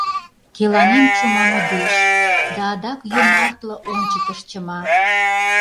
Келанен чома модеш Да адак йомартле ончыкыш чыма.